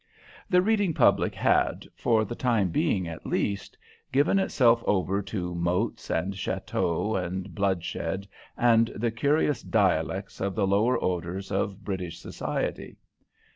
The reading public had, for the time being at least, given itself over to moats and châteaux and bloodshed and the curious dialects of the lower orders of British society.